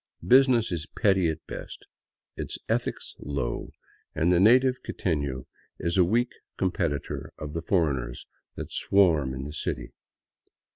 Business is petty at best ; its ethics low, and the native quiteiio is a weak competitor of the foreigners that swarm in the city.